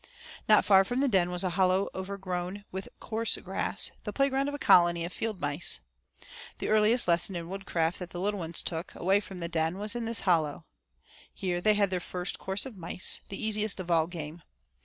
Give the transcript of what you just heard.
Not far from the den was a hollow overgrown with coarse grass, the playground of a colony of field mice. The earliest lesson in woodcraft that the little ones took, away from the den, was in this hollow. Here they had their first course of mice, the easiest of all game.